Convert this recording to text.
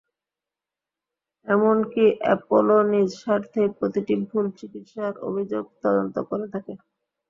এমনকি অ্যাপোলো নিজ স্বার্থেই প্রতিটি ভুল চিকিৎসার অভিযোগ তদন্ত করে থাকে।